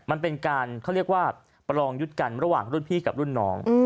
มันเป็นการเขาเรียกว่าประลองยุทธ์กันระหว่างรุ่นพี่กับรุ่นน้อง